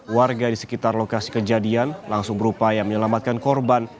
warga di sekitar lokasi kejadian langsung berupaya menyelamatkan korban